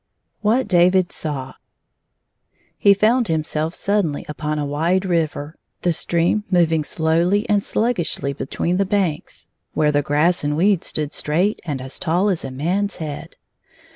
+8 What David Saw He found himself suddenly upon a wide river, the stream moving slowly and sluggishly between the banks, where the grass and weeds stood straight and as tall as a man's head.